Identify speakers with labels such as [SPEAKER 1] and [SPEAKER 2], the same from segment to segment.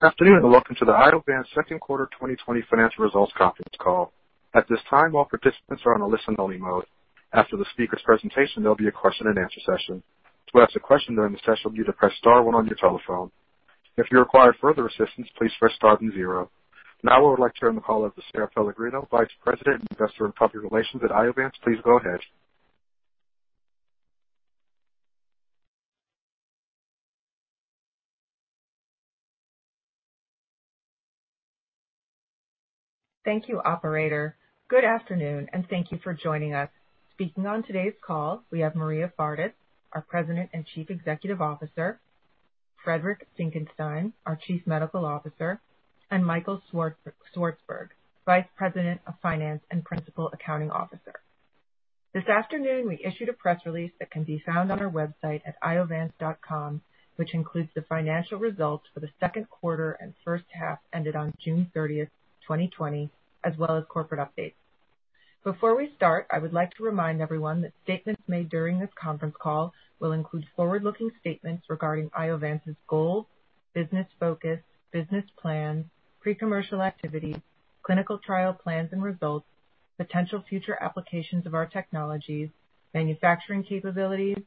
[SPEAKER 1] Good afternoon, welcome to the Iovance second quarter 2020 financial results conference call. At this time, all participants are on a listen-only mode. After the speaker's presentation, there'll be a question and answer session. To ask a question during the session, you need to press star one on your telephone. If you require further assistance, please press star then zero. I would like to turn the call over to Sara Pellegrino, Vice President of Investor and Public Relations at Iovance. Please go ahead.
[SPEAKER 2] Thank you, operator. Good afternoon, and thank you for joining us. Speaking on today's call, we have Maria Fardis, our President and Chief Executive Officer, Friedrich Finckenstein, our Chief Medical Officer, and Michael Swartzburg, Vice President of Finance and Principal Accounting Officer. This afternoon, we issued a press release that can be found on our website at iovance.com, which includes the financial results for the second quarter and first half ended on June 30, 2020, as well as corporate updates. Before we start, I would like to remind everyone that statements made during this conference call will include forward-looking statements regarding Iovance's goals, business focus, business plans, pre-commercial activities, clinical trial plans and results, potential future applications of our technologies, manufacturing capabilities,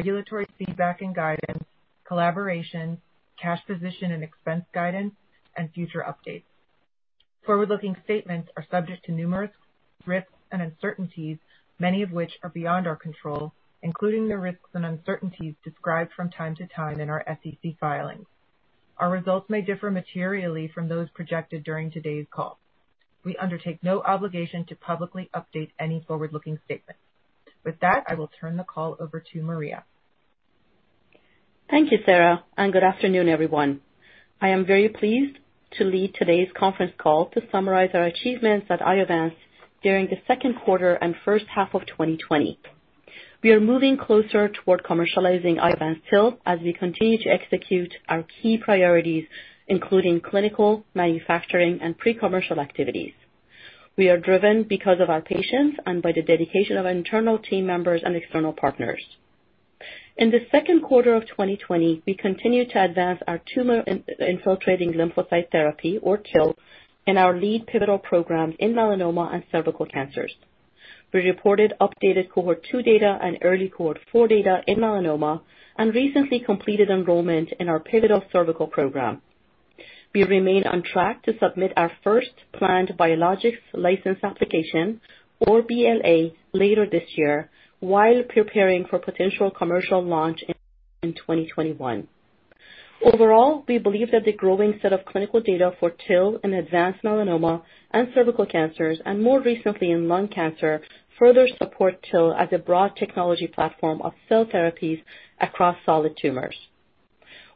[SPEAKER 2] regulatory feedback and guidance, collaboration, cash position and expense guidance, and future updates. Forward-looking statements are subject to numerous risks and uncertainties, many of which are beyond our control, including the risks and uncertainties described from time to time in our SEC filings. Our results may differ materially from those projected during today's call. We undertake no obligation to publicly update any forward-looking statements. With that, I will turn the call over to Maria.
[SPEAKER 3] Thank you, Sara, and good afternoon, everyone. I am very pleased to lead today's conference call to summarize our achievements at Iovance during the second quarter and first half of 2020. We are moving closer toward commercializing Iovance TIL as we continue to execute our key priorities, including clinical, manufacturing, and pre-commercial activities. We are driven because of our patients and by the dedication of our internal team members and external partners. In the second quarter of 2020, we continued to advance our tumor-infiltrating lymphocyte therapy, or TIL, in our lead pivotal programs in melanoma and cervical cancers. We reported updated cohort 2 data and early cohort 4 data in melanoma and recently completed enrollment in our pivotal cervical program. We remain on track to submit our first planned Biologics License Application, or BLA, later this year while preparing for potential commercial launch in 2021. Overall, we believe that the growing set of clinical data for TIL in advanced melanoma and cervical cancers, and more recently in lung cancer, further support TIL as a broad technology platform of cell therapies across solid tumors.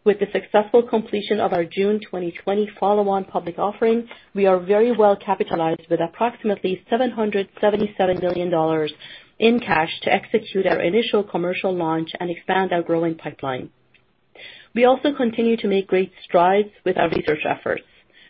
[SPEAKER 3] With the successful completion of our June 2020 follow-on public offering, we are very well capitalized with approximately $777 million in cash to execute our initial commercial launch and expand our growing pipeline. We also continue to make great strides with our research efforts.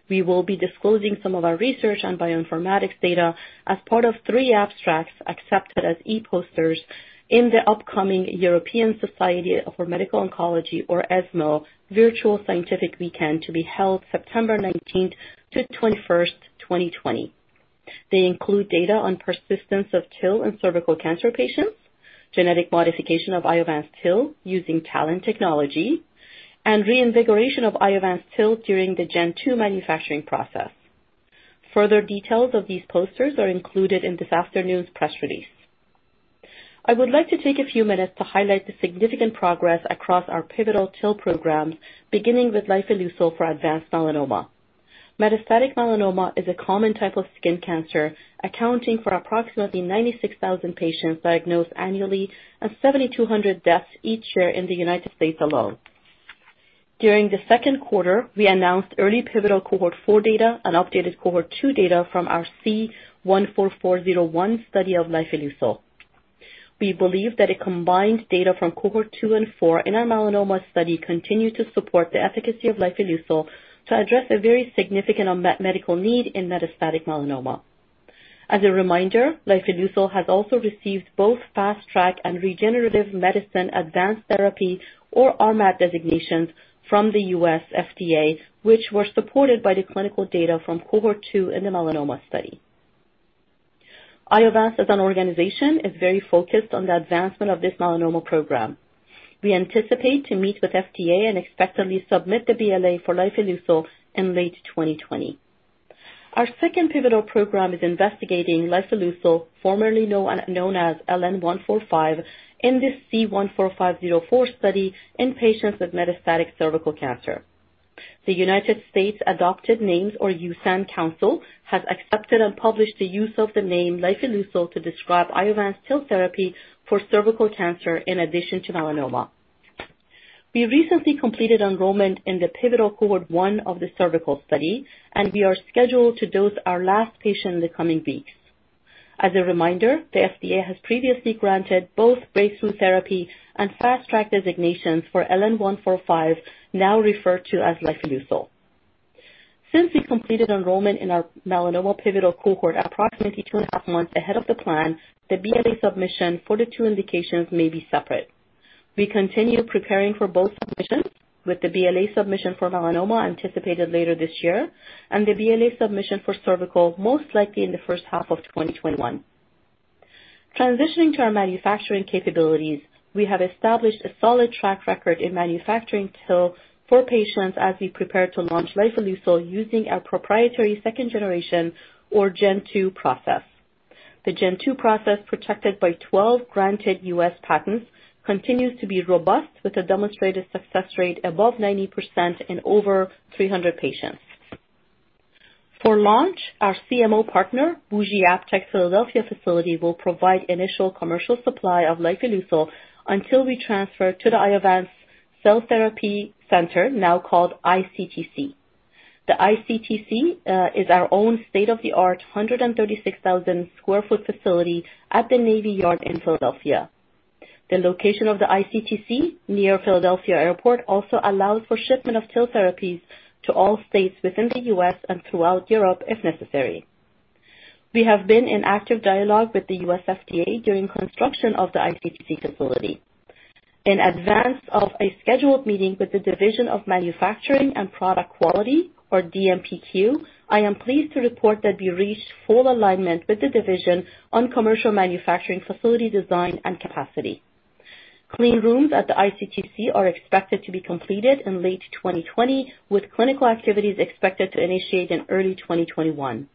[SPEAKER 3] We will be disclosing some of our research on bioinformatics data as part of three abstracts accepted as e-posters in the upcoming European Society for Medical Oncology, or ESMO, Virtual Scientific Weekend to be held September 19th to 21st, 2020. They include data on persistence of TIL in cervical cancer patients, genetic modification of Iovance TIL using TALEN technology, and reinvigoration of Iovance TIL during the Gen 2 manufacturing process. Further details of these posters are included in this afternoon's press release. I would like to take a few minutes to highlight the significant progress across our pivotal TIL programs, beginning with lifileucel for advanced melanoma. Metastatic melanoma is a common type of skin cancer, accounting for approximately 96,000 patients diagnosed annually and 7,200 deaths each year in the United States alone. During the second quarter, we announced early pivotal cohort 4 data and updated cohort 2 data from our C-144-01 study of lifileucel. We believe that a combined data from cohort 2 and 4 in our melanoma study continue to support the efficacy of lifileucel to address a very significant unmet medical need in metastatic melanoma. As a reminder, lifileucel has also received both Fast Track and Regenerative Medicine Advanced Therapy, or RMAT designations from the U.S. FDA, which were supported by the clinical data from cohort 2 in the melanoma study. Iovance, as an organization, is very focused on the advancement of this melanoma program. We anticipate to meet with FDA and expectantly submit the BLA for lifileucel in late 2020. Our second pivotal program is investigating lifileucel, formerly known as LN-145, in the C-145-04 study in patients with metastatic cervical cancer. The United States Adopted Names, or USAN Council, has accepted and published the use of the name lifileucel to describe Iovance TIL therapy for cervical cancer in addition to melanoma. We recently completed enrollment in the pivotal cohort 1 of the cervical study, and we are scheduled to dose our last patient in the coming weeks. As a reminder, the FDA has previously granted both Breakthrough Therapy and Fast Track designations for LN-145, now referred to as lifileucel. Since we completed enrollment in our melanoma pivotal cohort approximately two and a half months ahead of the plan, the BLA submission for the two indications may be separate. We continue preparing for both submissions, with the BLA submission for melanoma anticipated later this year, and the BLA submission for cervical most likely in the first half of 2021. Transitioning to our manufacturing capabilities, we have established a solid track record in manufacturing TIL for patients as we prepare to launch lifileucel using our proprietary second generation or Gen2 process. The Gen2 process, protected by 12 granted U.S. patents, continues to be robust with a demonstrated success rate above 90% in over 300 patients. For launch, our CMO partner, WuXi AppTec Philadelphia facility, will provide initial commercial supply of lifileucel until we transfer to the Iovance Cell Therapy Center, now called ICTC. The ICTC is our own state-of-the-art 136,000 sq ft facility at the Navy Yard in Philadelphia. The location of the ICTC near Philadelphia Airport also allows for shipment of TIL therapies to all states within the U.S. and throughout Europe if necessary. We have been in active dialogue with the U.S. FDA during construction of the ICTC facility. In advance of a scheduled meeting with the Division of Manufacturing and Product Quality, or DMPQ, I am pleased to report that we reached full alignment with the division on commercial manufacturing facility design and capacity. Clean rooms at the ICTC are expected to be completed in late 2020, with clinical activities expected to initiate in early 2021.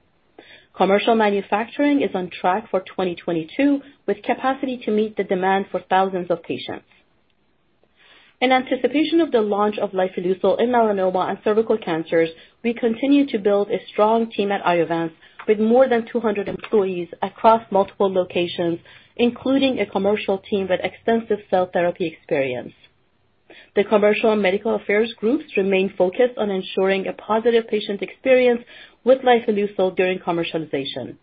[SPEAKER 3] Commercial manufacturing is on track for 2022, with capacity to meet the demand for thousands of patients. In anticipation of the launch of lifileucel in melanoma and cervical cancers, we continue to build a strong team at Iovance with more than 200 employees across multiple locations, including a commercial team with extensive cell therapy experience. The commercial and medical affairs groups remain focused on ensuring a positive patient experience with lifileucel during commercialization.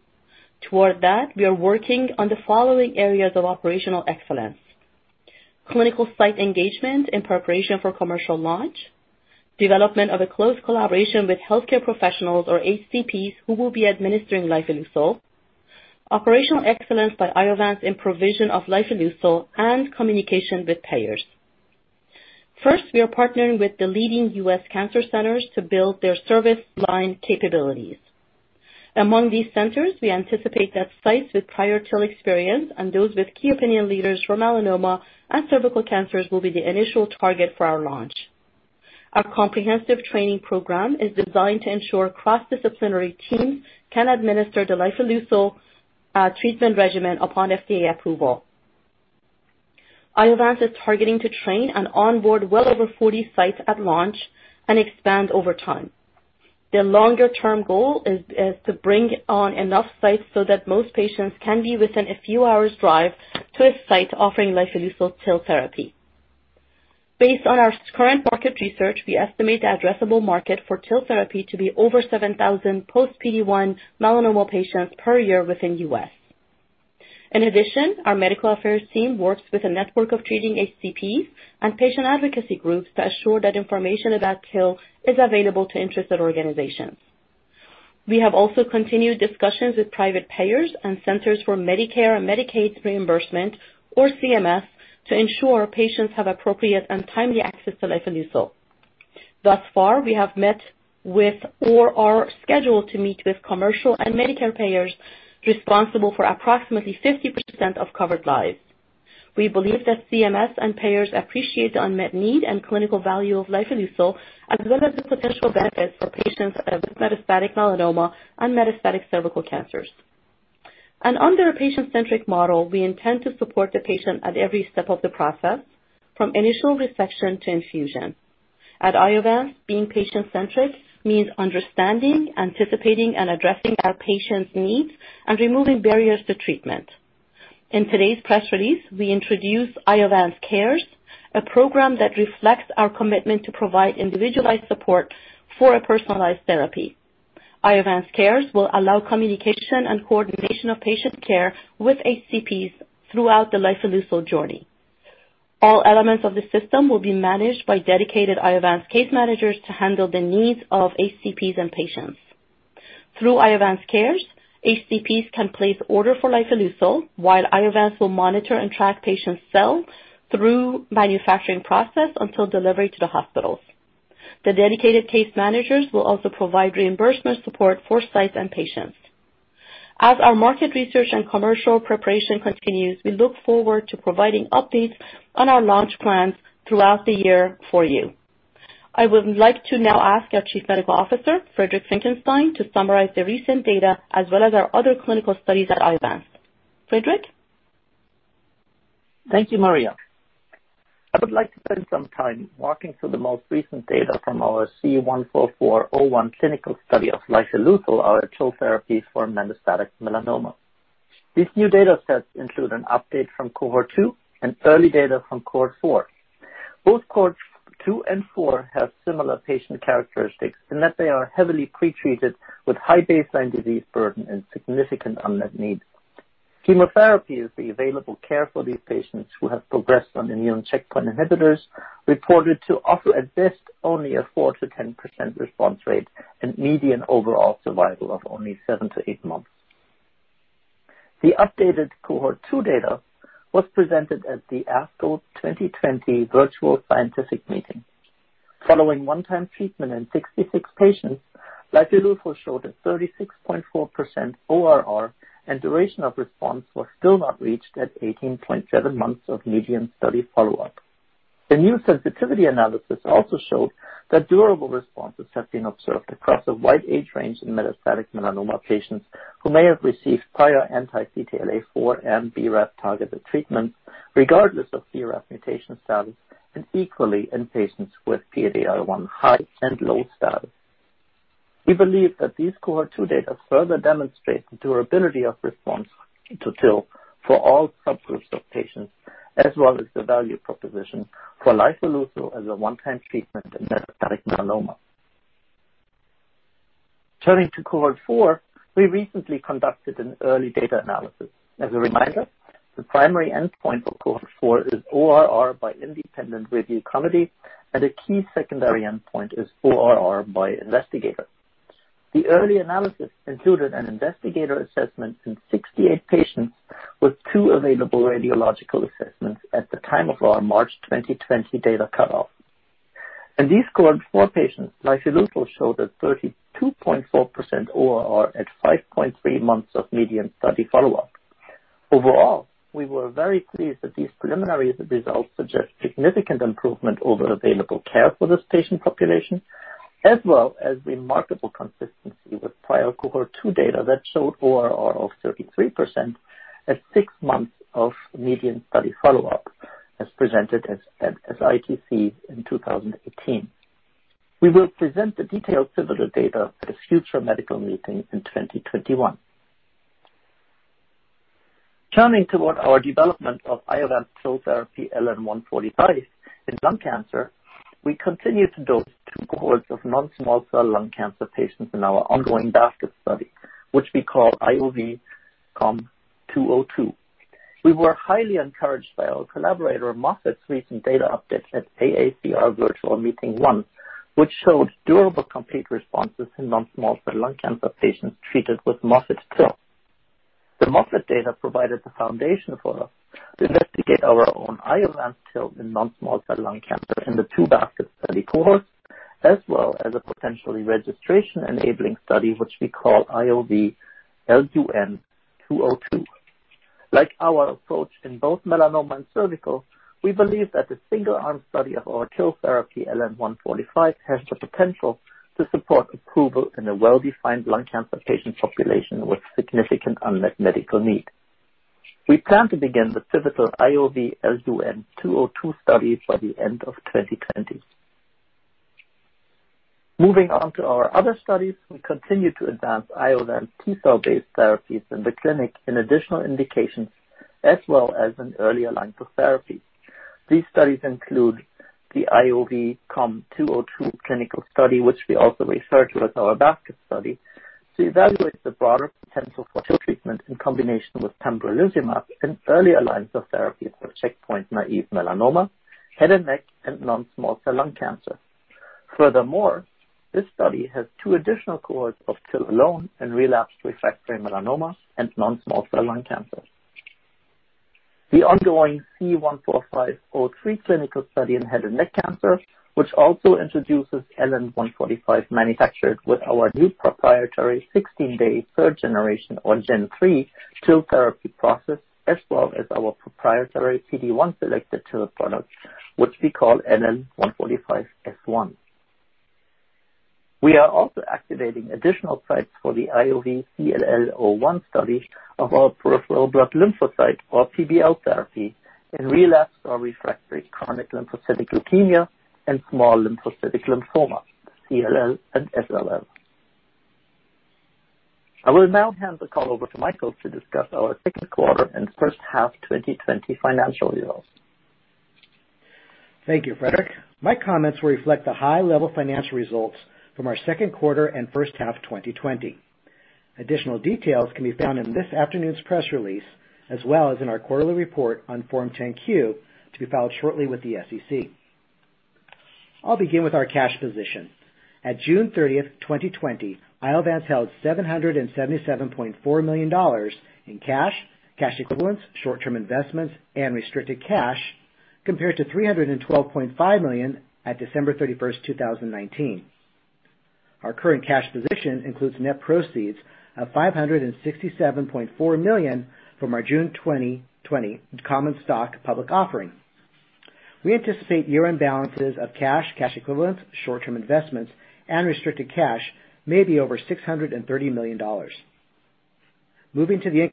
[SPEAKER 3] Toward that, we are working on the following areas of operational excellence. Clinical site engagement in preparation for commercial launch. Development of a close collaboration with healthcare professionals, or HCPs, who will be administering lifileucel. Operational excellence by Iovance in provision of lifileucel and communication with payers. First, we are partnering with the leading U.S. cancer centers to build their service line capabilities. Among these centers, we anticipate that sites with prior TIL experience and those with key opinion leaders for melanoma and cervical cancers will be the initial target for our launch. Our comprehensive training program is designed to ensure cross-disciplinary teams can administer the lifileucel treatment regimen upon FDA approval. Iovance is targeting to train and onboard well over 40 sites at launch and expand over time. The longer-term goal is to bring on enough sites so that most patients can be within a few hours' drive to a site offering lifileucel TIL therapy. Based on our current market research, we estimate the addressable market for TIL therapy to be over 7,000 post PD-1 melanoma patients per year within U.S. In addition, our medical affairs team works with a network of treating HCPs and patient advocacy groups to assure that information about TIL is available to interested organizations. We have also continued discussions with private payers and Centers for Medicare & Medicaid Services, or CMS, to ensure patients have appropriate and timely access to lifileucel. Thus far, we have met with or are scheduled to meet with commercial and Medicare payers responsible for approximately 50% of covered lives. We believe that CMS and payers appreciate the unmet need and clinical value of lifileucel, as well as the potential benefits for patients with metastatic melanoma and metastatic cervical cancers. Under a patient-centric model, we intend to support the patient at every step of the process, from initial resection to infusion. At Iovance, being patient-centric means understanding, anticipating, and addressing our patients' needs and removing barriers to treatment. In today's press release, we introduce IovanceCares, a program that reflects our commitment to provide individualized support for a personalized therapy. IovanceCares will allow communication and coordination of patient care with HCPs throughout the lifileucel journey. All elements of the system will be managed by dedicated Iovance case managers to handle the needs of HCPs and patients. Through IovanceCares, HCPs can place order for lifileucel while Iovance will monitor and track patients' cells through manufacturing process until delivery to the hospitals. The dedicated case managers will also provide reimbursement support for sites and patients. As our market research and commercial preparation continues, we look forward to providing updates on our launch plans throughout the year for you. I would like to now ask our Chief Medical Officer, Friedrich Finckenstein, to summarize the recent data as well as our other clinical studies at Iovance. Friedrich?
[SPEAKER 4] Thank you, Maria. I would like to spend some time walking through the most recent data from our C-144-01 clinical study of lifileucel, our TIL therapy for metastatic melanoma. These new data sets include an update from cohort 2 and early data from cohort 4. Both cohorts 2 and 4 have similar patient characteristics in that they are heavily pretreated with high baseline disease burden and significant unmet need. Chemotherapy is the available care for these patients who have progressed on immune checkpoint inhibitors, reported to offer at best only a 4%-10% response rate and median overall survival of only 7-8 months. The updated cohort 2 data was presented at the ASCO 2020 Virtual Scientific Meeting. Following one-time treatment in 66 patients, lifileucel showed a 36.4% ORR, and duration of response was still not reached at 18.7 months of median study follow-up. The new sensitivity analysis also showed that durable responses have been observed across a wide age range in metastatic melanoma patients who may have received prior anti-CTLA-4 and BRAF-targeted treatments, regardless of BRAF mutation status, and equally in patients with PD-L1 high and low status. We believe that these cohort 2 data further demonstrate the durability of response to TIL for all subgroups of patients, as well as the value proposition for lifileucel as a one-time treatment in metastatic melanoma. Turning to cohort 4, we recently conducted an early data analysis. As a reminder, the primary endpoint for cohort 4 is ORR by independent review committee, and a key secondary endpoint is ORR by investigator. The early analysis included an investigator assessment in 68 patients with two available radiological assessments at the time of our March 2020 data cutoff. In these cohort 4 patients, lifileucel showed a 32.4% ORR at 5.3 months of median study follow-up. Overall, we were very pleased that these preliminary results suggest significant improvement over available care for this patient population, as well as remarkable consistency with prior cohort 2 data that showed ORR of 33% at six months of median study follow-up, as presented at SITC in 2018. We will present the detailed pivotal data at a future medical meeting in 2021. Turning toward our development of Iovance's TIL therapy, LN-145, in lung cancer, we continue to dose 2 cohorts of non-small cell lung cancer patients in our ongoing basket study, which we call IOV-COM-202. We were highly encouraged by our collaborator Moffitt's recent data update at AACR Virtual Meeting 1, which showed durable complete responses in non-small cell lung cancer patients treated with Moffitt TIL. The Moffitt data provided the foundation for us to investigate our own Iovance TIL in non-small cell lung cancer in the two basket study cohorts, as well as a potentially registration-enabling study, which we call IOV-LUN-202. Like our approach in both melanoma and cervical, we believe that the single-arm study of our TIL therapy, LN-145, has the potential to support approval in a well-defined lung cancer patient population with significant unmet medical need. We plan to begin the pivotal IOV-LUN-202 study by the end of 2020. Moving on to our other studies, we continue to advance Iovance T-cell based therapies in the clinic in additional indications, as well as in earlier lines of therapy. These studies include the IOV-COM-202 clinical study, which we also refer to as our basket study, to evaluate the broader potential for TIL treatment in combination with pembrolizumab in earlier lines of therapy for checkpoint-naive melanoma, head and neck, and non-small cell lung cancer. Furthermore, this study has two additional cohorts of TIL-alone in relapsed/refractory melanoma and non-small cell lung cancer. The ongoing C-145-03 clinical study in head and neck cancer, which also introduces LN-145 manufactured with our new proprietary 16-day third generation or Gen3 TIL therapy process, as well as our proprietary PD-1-selected TIL product, which we call LN-145 S1. We are also activating additional sites for the IOV-CLL-01 study of our peripheral blood lymphocyte, or PBL therapy, in relapsed or refractory chronic lymphocytic leukemia and small lymphocytic lymphoma, CLL and SLL. I will now hand the call over to Michael to discuss our second quarter and first half 2020 financial results.
[SPEAKER 5] Thank you, Friedrich. My comments will reflect the high-level financial results from our second quarter and first half 2020. Additional details can be found in this afternoon's press release, as well as in our quarterly report on Form 10-Q, to be filed shortly with the SEC. I'll begin with our cash position. At June 30th, 2020, Iovance held $777.4 million in cash equivalents, short-term investments, and restricted cash, compared to $312.5 million at December 31st, 2019. Our current cash position includes net proceeds of $567.4 million from our June 2020 common stock public offering. We anticipate year-end balances of cash equivalents, short-term investments, and restricted cash may be over $630 million. Moving to the Income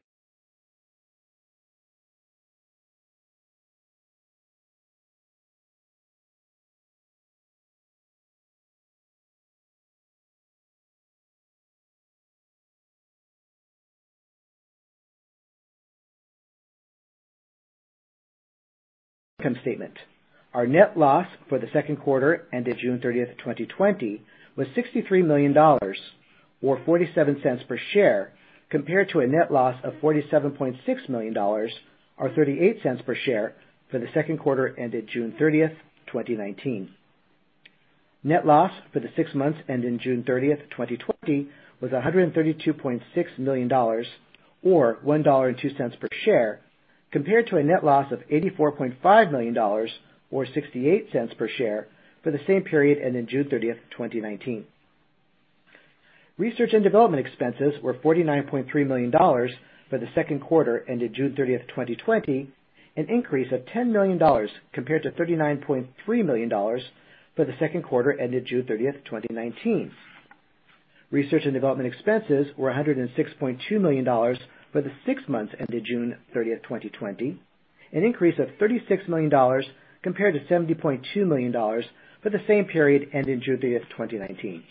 [SPEAKER 5] statement. Our net loss for the second quarter ended June 30, 2020, was $63 million, or $0.47 per share, compared to a net loss of $47.6 million or $0.38 per share for the second quarter ended June 30, 2019. Net loss for the six months ending June 30, 2020, was $132.6 million, or $1.02 per share, compared to a net loss of $84.5 million, or $0.68 per share for the same period ending June 30, 2019. Research and development expenses were $49.3 million for the second quarter ending June 30, 2020, an increase of $10 million compared to $39.3 million for the second quarter ended June 30, 2019. Research and development expenses were $106.2 million for the six months ending June 30, 2020, an increase of $36 million compared to $70.2 million for the same period ending June 30, 2019.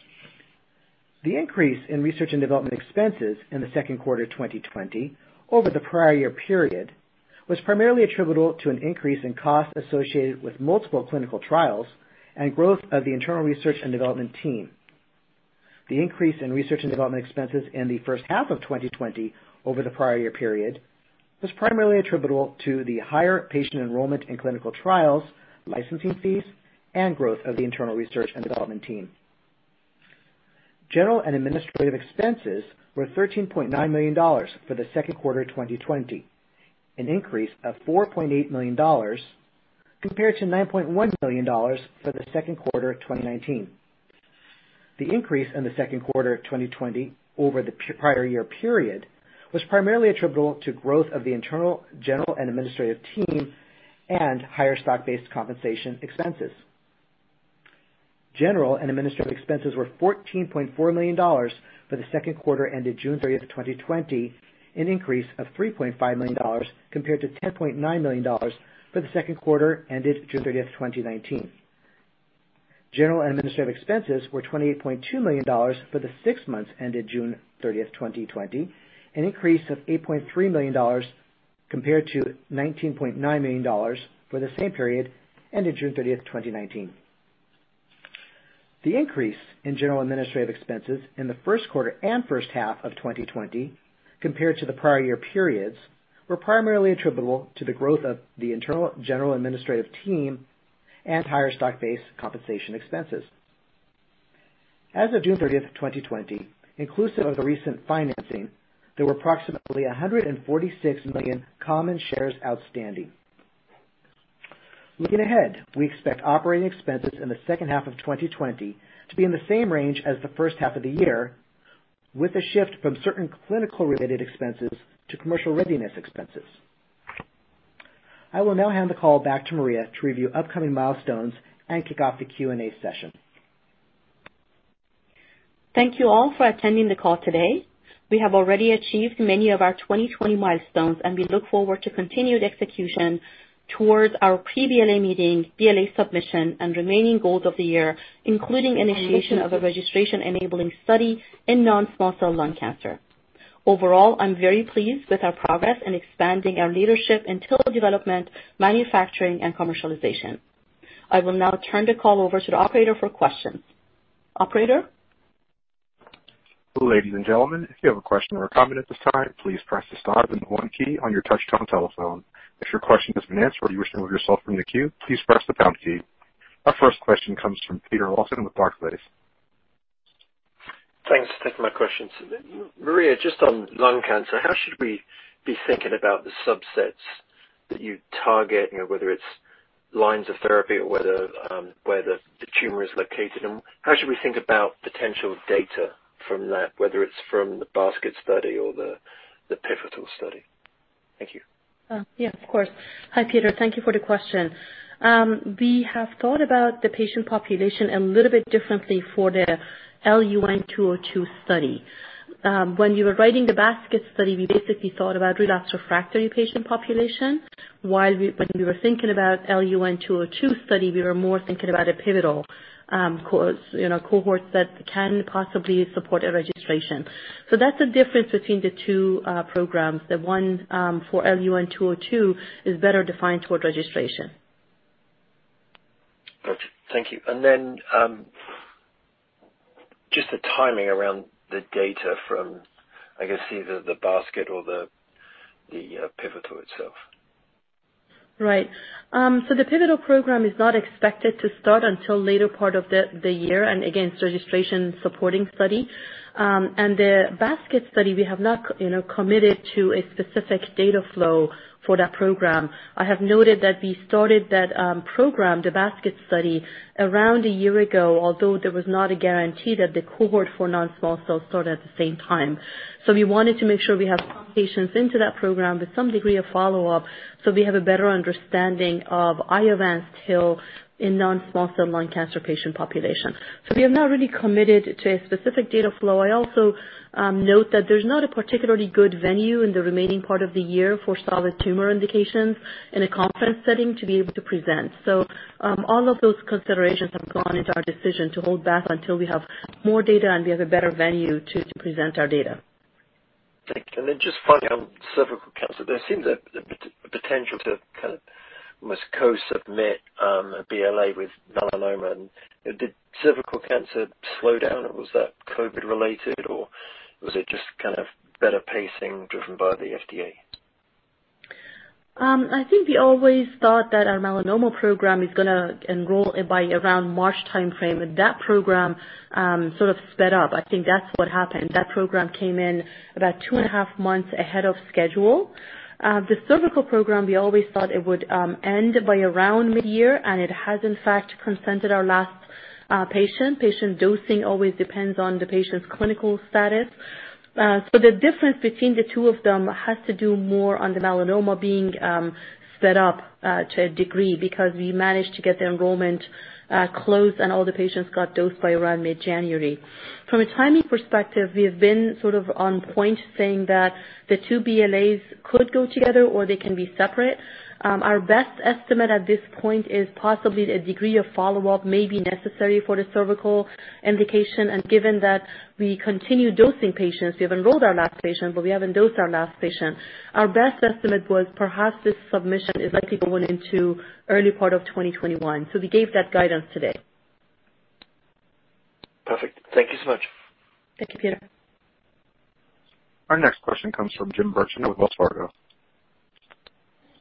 [SPEAKER 5] The increase in research and development expenses in the second quarter 2020 over the prior year period was primarily attributable to an increase in costs associated with multiple clinical trials and growth of the internal research and development team. The increase in research and development expenses in the first half of 2020 over the prior year period was primarily attributable to the higher patient enrollment in clinical trials, licensing fees, and growth of the internal research and development team. General and administrative expenses were $14.4 million for the second quarter 2020, an increase of $4.8 million compared to $9.1 million for the second quarter of 2019. The increase in the second quarter of 2020 over the prior year period was primarily attributable to growth of the internal general and administrative team and higher stock-based compensation expenses. General and administrative expenses were $14.4 million for the second quarter ending June 30, 2020, an increase of $3.5 million compared to $10.9 million for the second quarter ending June 30, 2019. General and administrative expenses were $28.2 million for the six months ending June 30, 2020, an increase of $8.3 million compared to $19.9 million for the same period ending June 30, 2019. The increase in general administrative expenses in the first quarter and first half of 2020 compared to the prior year periods, were primarily attributable to the growth of the internal general administrative team and higher stock-based compensation expenses. As of June 30, 2020, inclusive of the recent financing, there were approximately 146 million common shares outstanding. Looking ahead, we expect operating expenses in the second half of 2020 to be in the same range as the first half of the year, with a shift from certain clinical related expenses to commercial readiness expenses. I will now hand the call back to Maria to review upcoming milestones and kick off the Q&A session.
[SPEAKER 3] Thank you all for attending the call today. We have already achieved many of our 2020 milestones, and we look forward to continued execution towards our pre-BLA meeting, BLA submission, and remaining goals of the year, including initiation of a registration-enabling study in non-small cell lung cancer. Overall, I'm very pleased with our progress in expanding our leadership in TIL development, manufacturing, and commercialization. I will now turn the call over to the operator for questions. Operator?
[SPEAKER 1] Our first question comes from Peter Lawson with Barclays.
[SPEAKER 6] Thanks. Thank you. My questions. Maria, just on lung cancer, how should we be thinking about the subsets that you target? Whether it's lines of therapy or where the tumor is located, and how should we think about potential data from that, whether it's from the basket study or the pivotal study? Thank you.
[SPEAKER 3] Of course. Hi, Peter. Thank you for the question. We have thought about the patient population a little bit differently for the LUN-202 study. When we were writing the basket study, we basically thought about relapsed refractory patient population. When we were thinking about LUN-202 study, we were more thinking about a pivotal, cohorts that can possibly support a registration. That's the difference between the two programs. The one for LUN-202 is better defined toward registration.
[SPEAKER 6] Got you. Thank you. Just the timing around the data from, I guess, either the Basket or the pivotal itself?
[SPEAKER 3] Right. The pivotal program is not expected to start until later part of the year and again, it's a registration supporting study. The basket study, we have not committed to a specific data flow for that program. I have noted that we started that program, the basket study, around a year ago, although there was not a guarantee that the cohort for non-small cell start at the same time. We wanted to make sure we have some patients into that program with some degree of follow-up, so we have a better understanding of Iovance's TIL in non-small cell lung cancer patient population. We have not really committed to a specific data flow. I also note that there's not a particularly good venue in the remaining part of the year for solid tumor indications in a conference setting to be able to present. All of those considerations have gone into our decision to hold back until we have more data and we have a better venue to present our data.
[SPEAKER 6] Thank you. Just finally, on cervical cancer, there seems a potential to kind of almost co-submit a BLA with melanoma. Did cervical cancer slow down, or was that COVID related, or was it just kind of better pacing driven by the FDA?
[SPEAKER 3] I think we always thought that our melanoma program is going to enroll by around March timeframe. That program sort of sped up. I think that's what happened. That program came in about two and a half months ahead of schedule. The cervical program, we always thought it would end by around mid-year. It has in fact consented our last patient. Patient dosing always depends on the patient's clinical status. The difference between the two of them has to do more on the melanoma being sped up to a degree because we managed to get the enrollment closed and all the patients got dosed by around mid-January. From a timing perspective, we have been sort of on point, saying that the two BLAs could go together or they can be separate. Our best estimate at this point is possibly a degree of follow-up may be necessary for the cervical indication, and given that we continue dosing patients, we have enrolled our last patient, but we haven't dosed our last patient. Our best estimate was perhaps this submission is likely going into early part of 2021. We gave that guidance today.
[SPEAKER 6] Perfect. Thank you so much.
[SPEAKER 3] Thank you, Peter.
[SPEAKER 1] Our next question comes from Jim Birchenough with Wells Fargo.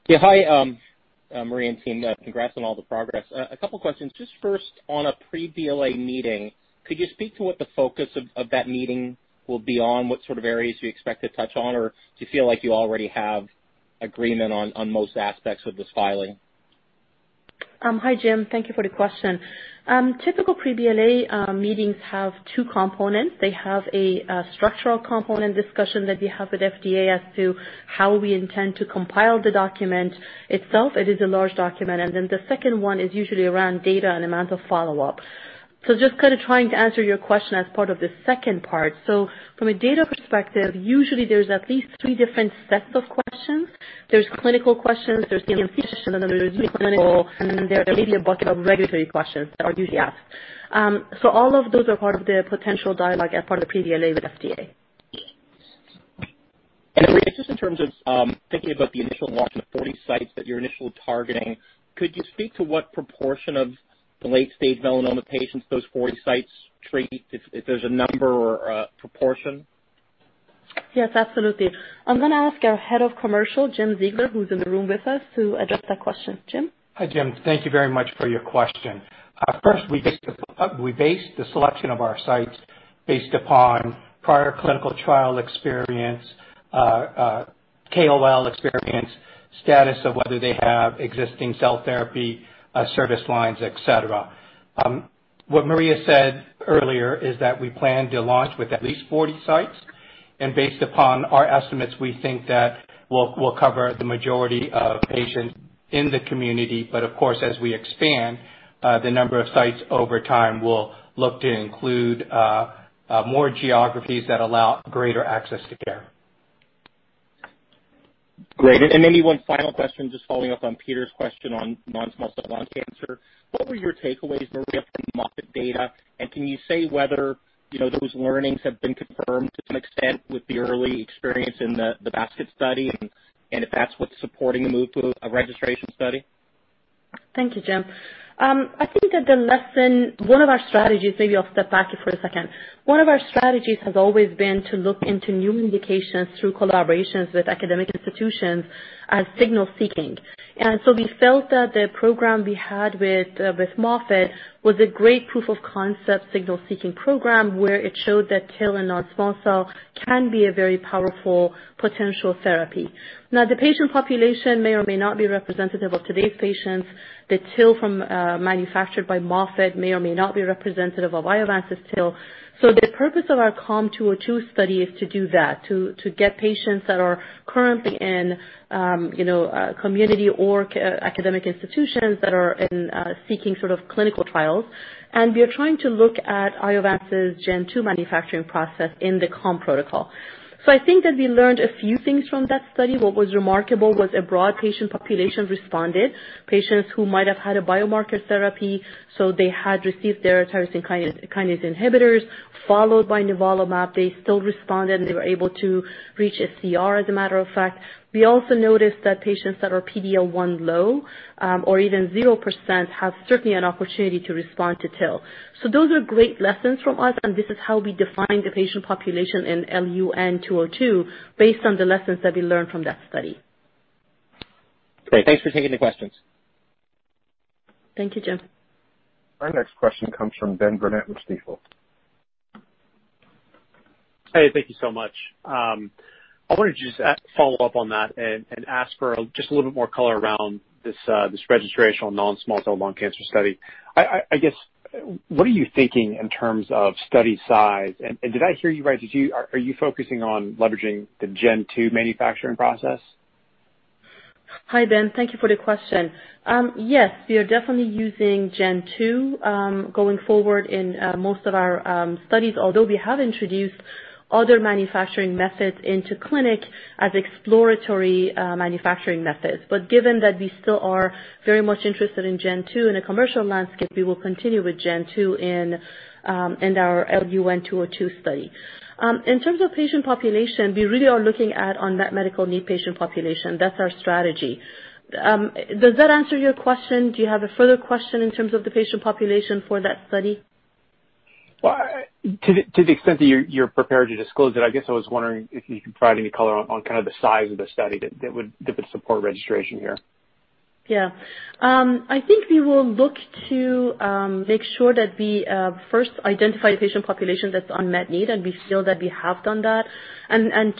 [SPEAKER 7] Hi, Maria and team. Congrats on all the progress. A couple questions. Just first, on a pre-BLA meeting, could you speak to what the focus of that meeting will be on, what sort of areas you expect to touch on? Or do you feel like you already have agreement on most aspects of this filing?
[SPEAKER 3] Hi, Jim. Thank you for the question. Typical pre-BLA meetings have two components. They have a structural component discussion that we have with FDA as to how we intend to compile the document itself. It is a large document. Then the second one is usually around data and amount of follow-up. Just kind of trying to answer your question as part of the second part. From a data perspective, usually there's at least three different sets of questions. There's clinical questions, and then there are maybe a bunch of regulatory questions that are usually asked. All of those are part of the potential dialogue as part of the pre-BLA with FDA.
[SPEAKER 7] Maria, just in terms of thinking about the initial launch of the 40 sites that you're initially targeting, could you speak to what proportion of the late-stage melanoma patients those 40 sites treat, if there's a number or a proportion?
[SPEAKER 3] Yes, absolutely. I'm going to ask our Head of Commercial, Jim Ziegler, who's in the room with us, to address that question. Jim?
[SPEAKER 8] Hi, Jim. Thank you very much for your question. First, we based the selection of our sites based upon prior clinical trial experience, KOL experience, status of whether they have existing cell therapy service lines, et cetera. What Maria said earlier is that we plan to launch with at least 40 sites. Based upon our estimates, we think that we'll cover the majority of patients in the community. Of course, as we expand the number of sites over time, we'll look to include more geographies that allow greater access to care.
[SPEAKER 7] Great. One final question, just following up on Peter's question on non-small cell lung cancer. What were your takeaways, Maria, from the Moffitt data, and can you say whether those learnings have been confirmed to some extent with the early experience in the basket study, and if that's what's supporting the move to a registration study?
[SPEAKER 3] Thank you, Jim. I think that the lesson, one of our strategies, maybe I'll step back here for a second. One of our strategies has always been to look into new indications through collaborations with academic institutions as signal-seeking. We felt that the program we had with Moffitt was a great proof of concept signal-seeking program, where it showed that TIL in non-small cell can be a very powerful potential therapy. Now, the patient population may or may not be representative of today's patients. The TIL from, manufactured by Moffitt may or may not be representative of Iovance's TIL. The purpose of our COM-202 study is to do that, to get patients that are currently in community or academic institutions that are in seeking sort of clinical trials. We are trying to look at Iovance's Gen 2 manufacturing process in the COM protocol. I think that we learned a few things from that study. What was remarkable was a broad patient population responded. Patients who might have had a biomarker therapy, so they had received their tyrosine kinase inhibitors, followed by nivolumab. They still responded, and they were able to reach CR, as a matter of fact. We also noticed that patients that are PD-L1 low or even 0% have certainly an opportunity to respond to TIL. Those are great lessons from us, and this is how we define the patient population in LUN-202 based on the lessons that we learned from that study.
[SPEAKER 7] Great. Thanks for taking the questions.
[SPEAKER 3] Thank you, Jim.
[SPEAKER 1] Our next question comes from Ben Burnett with Stifel.
[SPEAKER 9] Hey, thank you so much. I wanted to just follow up on that and ask for just a little bit more color around this registrational non-small cell lung cancer study. I guess, what are you thinking in terms of study size, and did I hear you right? Are you focusing on leveraging the Gen 2 manufacturing process?
[SPEAKER 3] Hi, Ben. Thank you for the question. Yes, we are definitely using Gen 2, going forward in most of our studies, although we have introduced other manufacturing methods into clinic as exploratory manufacturing methods. Given that we still are very much interested in Gen 2 in a commercial landscape, we will continue with Gen 2 in our LUN-202 study. In terms of patient population, we really are looking at unmet medical need patient population. That's our strategy. Does that answer your question? Do you have a further question in terms of the patient population for that study?
[SPEAKER 9] Well, to the extent that you're prepared to disclose it, I guess I was wondering if you can provide any color on kind of the size of the study that would support registration here.
[SPEAKER 3] Yeah. I think we will look to make sure that we first identify a patient population that's unmet need, and we feel that we have done that.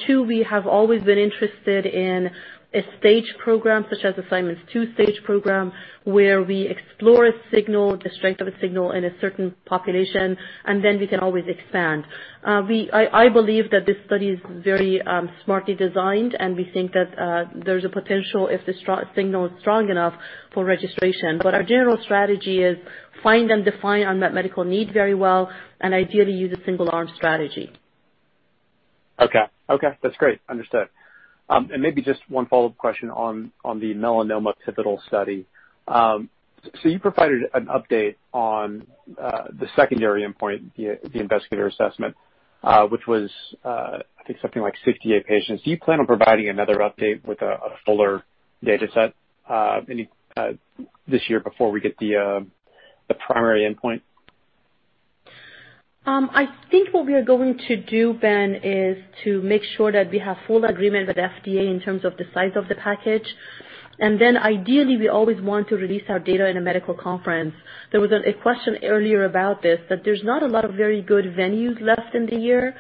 [SPEAKER 3] Two, we have always been interested in a stage program such as a Simon's 2-stage program, where we explore a signal, the strength of a signal in a certain population, and then we can always expand. I believe that this study is very smartly designed, and we think that there's a potential if the signal is strong enough for registration. Our general strategy is to find and define unmet medical need very well and ideally use a single arm strategy.
[SPEAKER 9] Okay. That's great. Understood. Maybe just one follow-up question on the melanoma pivotal study. You provided an update on the secondary endpoint, the investigator assessment, which was I think something like 68 patients. Do you plan on providing another update with a fuller data set this year before we get the primary endpoint?
[SPEAKER 3] I think what we are going to do, Ben, is to make sure that we have full agreement with FDA in terms of the size of the package. Ideally, we always want to release our data in a medical conference. There was a question earlier about this, that there's not a lot of very good venues left in the year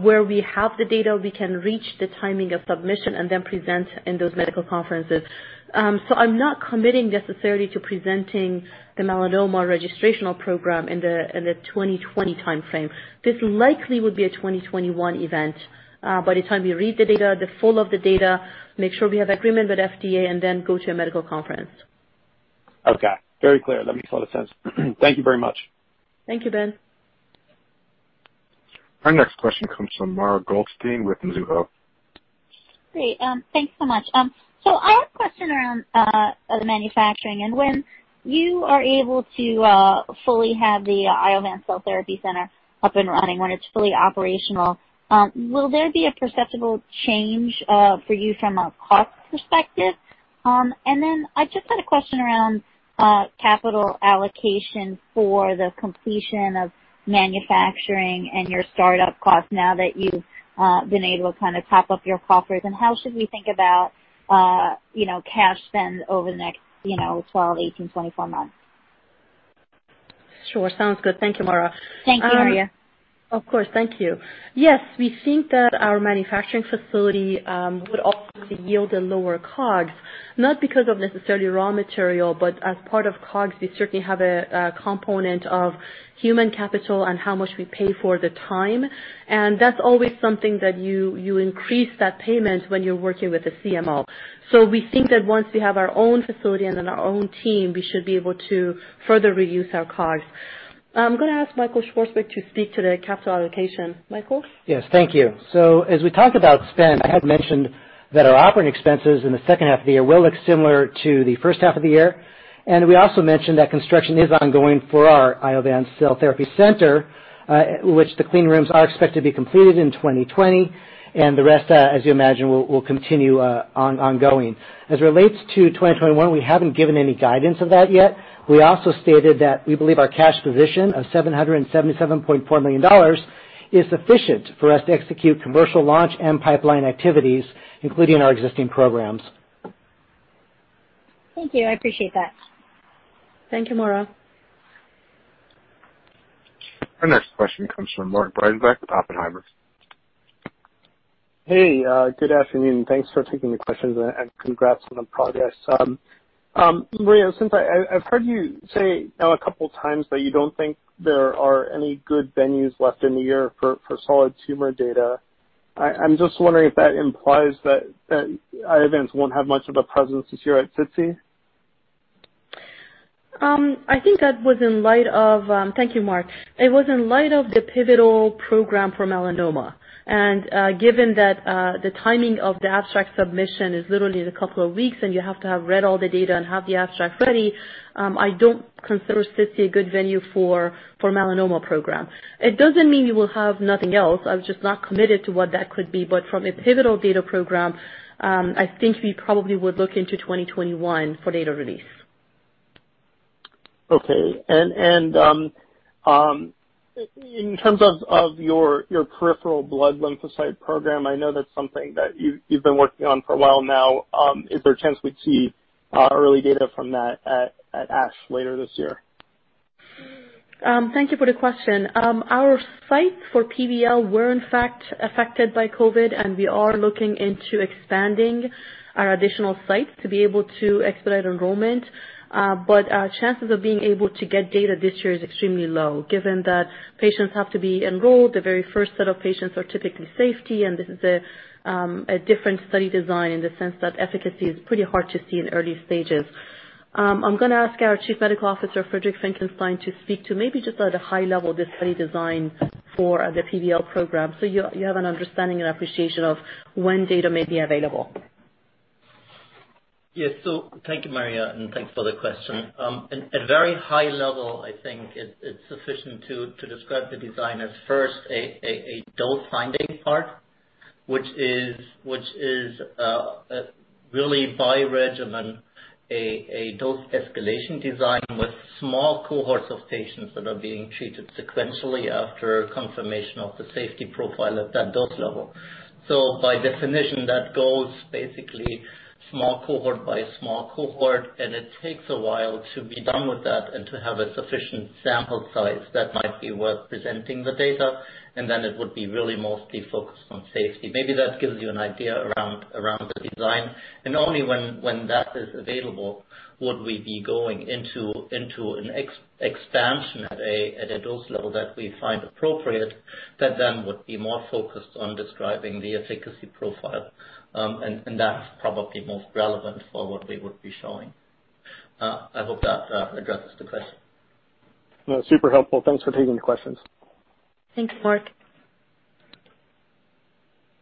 [SPEAKER 3] where we have the data, we can reach the timing of submission and then present in those medical conferences. I'm not committing necessarily to presenting the melanoma registrational program in the 2020 timeframe. This likely would be a 2021 event. By the time we read the data, the full of the data, make sure we have agreement with FDA, and then go to a medical conference.
[SPEAKER 9] Okay. Very clear. That makes a lot of sense. Thank you very much.
[SPEAKER 3] Thank you, Ben.
[SPEAKER 1] Our next question comes from Mara Goldstein with Mizuho.
[SPEAKER 10] Great. Thanks so much. I have a question around the manufacturing. When you are able to fully have the Iovance Cell Therapy Center up and running, when it's fully operational, will there be a perceptible change for you from a cost perspective? Then I just had a question around capital allocation for the completion of manufacturing and your startup costs now that you've been able to kind of top up your coffers. How should we think about cash spend over the next 12, 18, 24 months?
[SPEAKER 3] Sure. Sounds good. Thank you, Mara.
[SPEAKER 10] Thank you.
[SPEAKER 3] Of course. Thank you. Yes, we think that our manufacturing facility would also yield a lower COGS, not because of necessarily raw material, but as part of COGS, we certainly have a component of human capital and how much we pay for the time, and that's always something that you increase that payment when you're working with a CMO. We think that once we have our own facility and then our own team, we should be able to further reduce our COGS. I'm going to ask Michael Swartzburg to speak to the capital allocation. Michael?
[SPEAKER 5] Yes. Thank you. As we talked about spend, I had mentioned that our operating expenses in the second half of the year will look similar to the first half of the year. We also mentioned that construction is ongoing for our Iovance Cell Therapy Center, which the clean rooms are expected to be completed in 2020, and the rest, as you imagine, will continue ongoing. As it relates to 2021, we haven't given any guidance of that yet. We also stated that we believe our cash position of $777.4 million is sufficient for us to execute commercial launch and pipeline activities, including our existing programs.
[SPEAKER 10] Thank you. I appreciate that.
[SPEAKER 3] Thank you, Mara.
[SPEAKER 1] Our next question comes from Mark Breidenbach with Oppenheimer.
[SPEAKER 11] Hey, good afternoon. Thanks for taking the questions, and congrats on the progress. Maria, since I've heard you say now a couple times that you don't think there are any good venues left in the year for solid tumor data, I'm just wondering if that implies that Iovance won't have much of a presence this year at SITC?
[SPEAKER 3] I think that was. Thank you, Mark. It was in light of the pivotal program for melanoma. Given that the timing of the abstract submission is literally in a couple of weeks, and you have to have read all the data and have the abstract ready, I don't consider SITC a good venue for melanoma program. It doesn't mean we will have nothing else. I was just not committed to what that could be. From a pivotal data program, I think we probably would look into 2021 for data release.
[SPEAKER 11] Okay. In terms of your peripheral blood lymphocyte program, I know that's something that you've been working on for a while now. Is there a chance we'd see early data from that at ASH later this year?
[SPEAKER 3] Thank you for the question. Our sites for PBL were in fact affected by COVID, and we are looking into expanding our additional sites to be able to expedite enrollment. Our chances of being able to get data this year is extremely low, given that patients have to be enrolled. The very first set of patients are typically safety, and this is a different study design in the sense that efficacy is pretty hard to see in early stages. I'm going to ask our Chief Medical Officer, Friedrich Finckenstein, to speak to maybe just at a high level, the study design for the PBL program so you have an understanding and appreciation of when data may be available.
[SPEAKER 4] Yes. Thank you, Maria, and thanks for the question. At very high level, I think it's sufficient to describe the design as first a dose finding part, which is really by regimen, a dose escalation design with small cohorts of patients that are being treated sequentially after confirmation of the safety profile at that dose level. By definition, that goes basically small cohort by small cohort, and it takes a while to be done with that and to have a sufficient sample size that might be worth presenting the data, and then it would be really mostly focused on safety. Maybe that gives you an idea around the design. Only when that is available would we be going into an expansion at a dose level that we find appropriate that then would be more focused on describing the efficacy profile. That's probably most relevant for what we would be showing. I hope that addresses the question.
[SPEAKER 11] No, super helpful. Thanks for taking the questions.
[SPEAKER 3] Thanks, Mark.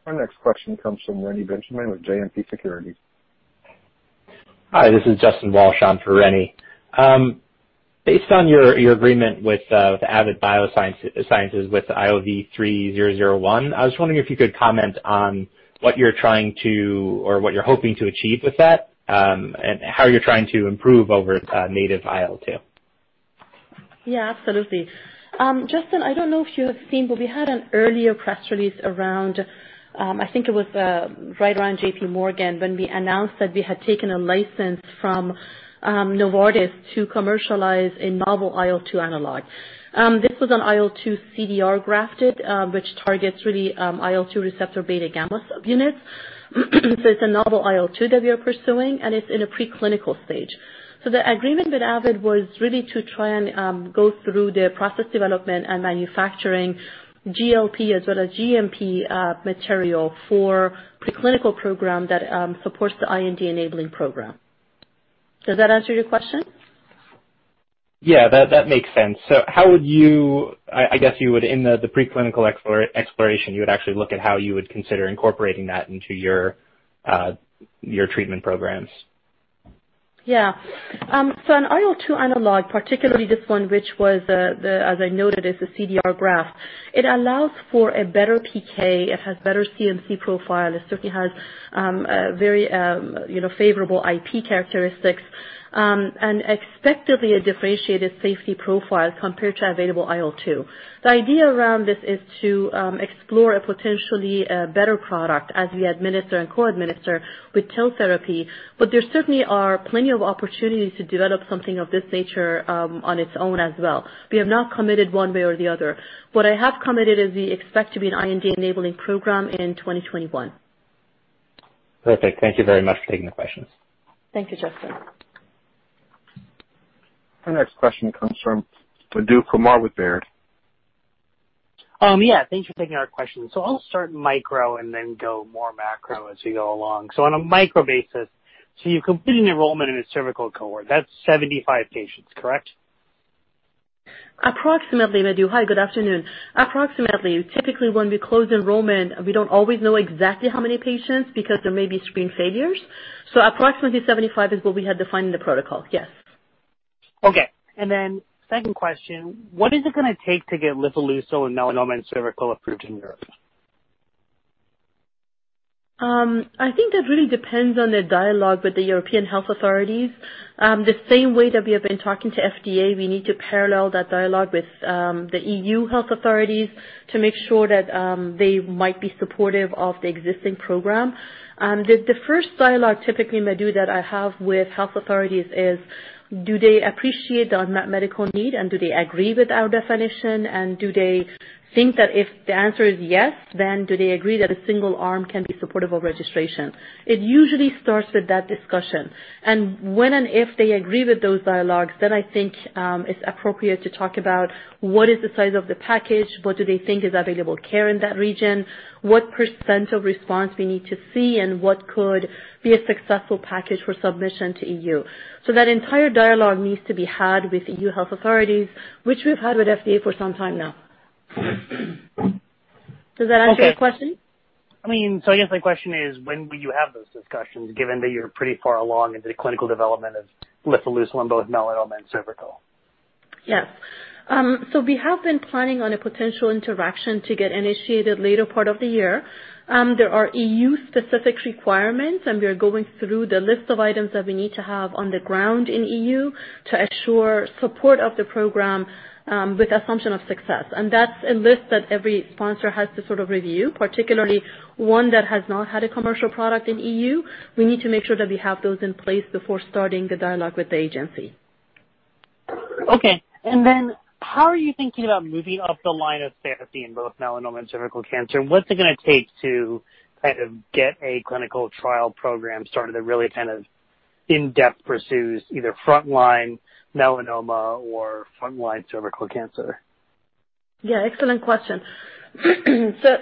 [SPEAKER 1] Our next question comes from Reni Benjamin with JMP Securities.
[SPEAKER 12] Hi, this is Justin Walsh on for Reni. Based on your agreement with the Avid Bioservices with the IOV-3001, I was wondering if you could comment on what you're trying to or what you're hoping to achieve with that, and how you're trying to improve over native IL-2.
[SPEAKER 3] Yeah, absolutely. Justin, I don't know if you have seen, but we had an earlier press release around, I think it was right around JP Morgan when we announced that we had taken a license from Novartis to commercialize a novel IL-2 analog. This was an IL-2 CDR grafted, which targets really IL-2 receptor beta gamma subunits. It's a novel IL-2 that we are pursuing, and it's in a preclinical stage. The agreement with Avid was really to try and go through their process development and manufacturing GLP as well as GMP material for preclinical program that supports the IND-enabling program. Does that answer your question?
[SPEAKER 12] Yeah, that makes sense. I guess you would, in the preclinical exploration, you would actually look at how you would consider incorporating that into your treatment programs.
[SPEAKER 3] An IL-2 analog, particularly this one, which was, as I noted, is a CDR graft. It allows for a better PK, it has better CMC profile, it certainly has very favorable IP characteristics, and expectively a differentiated safety profile compared to available IL-2. The idea around this is to explore a potentially better product as we administer and co-administer with cell therapy, but there certainly are plenty of opportunities to develop something of this nature on its own as well. We have not committed one way or the other. What I have committed is we expect to be an IND-enabling program in 2021.
[SPEAKER 12] Perfect. Thank you very much for taking the questions.
[SPEAKER 3] Thank you, Justin.
[SPEAKER 1] Our next question comes from Madhu Kumar with Baird.
[SPEAKER 13] Yeah, thanks for taking our question. I'll start micro and then go more macro as we go along. On a micro basis, you completed enrollment in a cervical cohort. That's 75 patients, correct?
[SPEAKER 3] Approximately, Madhu. Hi, good afternoon. Approximately. Typically, when we close enrollment, we don't always know exactly how many patients because there may be screen failures. Approximately 75 is what we had defined in the protocol, yes.
[SPEAKER 13] Okay. Second question, what is it going to take to get lifileucel in melanoma and cervical approved in Europe?
[SPEAKER 3] I think that really depends on the dialogue with the European health authorities. The same way that we have been talking to FDA, we need to parallel that dialogue with the EU health authorities to make sure that they might be supportive of the existing program. The first dialogue, typically, Madhu, that I have with health authorities is, do they appreciate the unmet medical need, and do they agree with our definition, and do they think that if the answer is yes, then do they agree that a single arm can be supportive of registration? It usually starts with that discussion. When and if they agree with those dialogues, then I think it's appropriate to talk about what is the size of the package, what do they think is available care in that region, what % of response we need to see, and what could be a successful package for submission to EU. That entire dialogue needs to be had with EU health authorities, which we've had with FDA for some time now. Does that answer your question?
[SPEAKER 13] Okay. I guess my question is, when will you have those discussions, given that you're pretty far along in the clinical development of lifileucel in both melanoma and cervical?
[SPEAKER 3] Yes. We have been planning on a potential interaction to get initiated later part of the year. There are EU-specific requirements. We are going through the list of items that we need to have on the ground in EU to ensure support of the program with assumption of success. That's a list that every sponsor has to sort of review, particularly one that has not had a commercial product in EU. We need to make sure that we have those in place before starting the dialogue with the agency.
[SPEAKER 13] Okay. Then how are you thinking about moving up the line of therapy in both melanoma and cervical cancer, and what's it going to take to kind of get a clinical trial program started that really kind of in-depth pursues either frontline melanoma or frontline cervical cancer?
[SPEAKER 3] Yeah, excellent question.